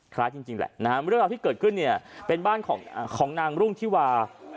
จริงแหละนะฮะเรื่องราวที่เกิดขึ้นเนี่ยเป็นบ้านของนางรุ่งที่วา